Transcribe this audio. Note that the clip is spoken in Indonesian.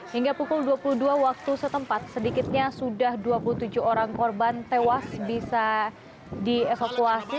hingga pukul dua puluh dua waktu setempat sedikitnya sudah dua puluh tujuh orang korban tewas bisa dievakuasi